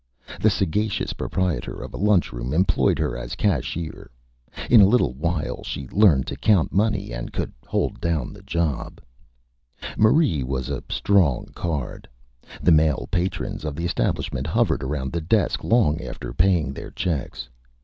The sagacious Proprietor of a Lunch Room employed her as Cashier. In a little While she learned to count Money, and could hold down the Job. [Illustration: THE BOSS] Marie was a Strong Card. The Male Patrons of the Establishment hovered around the Desk long after paying their Checks.